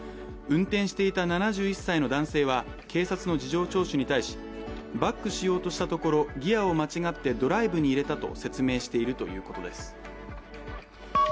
運転していた７１歳の男性は警察の事情聴取に対し、バックしようとしたところギアを間違えてドライブに入れたと説明しているということです。